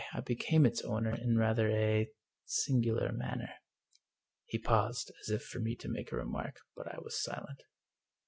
I became its owner in rather a sin gular manner." He paused, as if for me to make a remark; but I was silent.